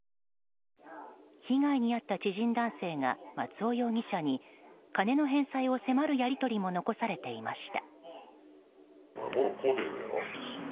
被害に遭った知人男性が松尾容疑者に金の返済を迫るやり取りも残されていました。